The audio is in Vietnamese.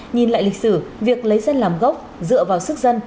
nhìn lại lịch sử việc lấy dân làm gốc dựa vào sức dân